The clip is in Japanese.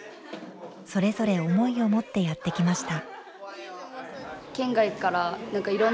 それぞれ思いを持ってやって来ました。